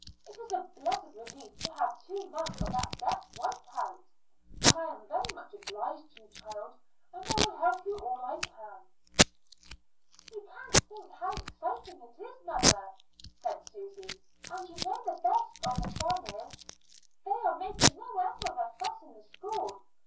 It is a blessed relief to have two months of that debt wiped out, and I am very much obliged to you, child, and I will help you all I can." "You can't think how exciting it is, mother," said Susy. "And you know the best of the fun is, they are making no end of a fuss in the school.